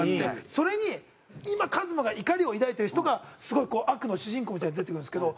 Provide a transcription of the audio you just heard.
それに今ＫＡＭＡが怒りを抱いてる人がすごいこう悪の主人公みたいに出てくるんですけど。